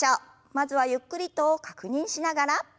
まずはゆっくりと確認しながら。